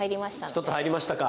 １つ入りましたか。